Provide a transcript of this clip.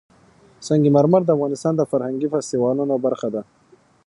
سنگ مرمر د افغانستان د فرهنګي فستیوالونو برخه ده.